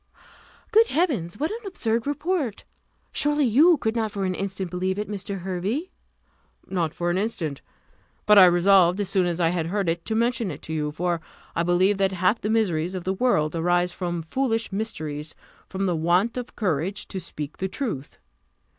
"Good Heavens! what an absurd report! Surely you could not for an instant believe it, Mr. Hervey?" "Not for an instant. But I resolved, as soon as I heard it, to mention it to you; for I believe that half the miseries of the world arise from foolish mysteries from the want of courage to speak the truth.